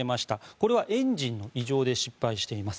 これはエンジンの異常で失敗しています。